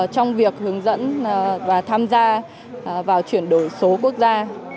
trong việc hướng dẫn và tham gia vào chuyển đổi số quốc gia